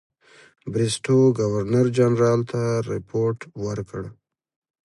بریسټو ګورنرجنرال ته رپوټ ورکړ.